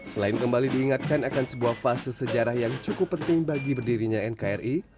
selain kembali diingatkan akan sebuah fase sejarah yang cukup penting bagi berdirinya nkri